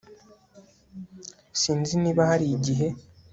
Sinzi niba hari igihe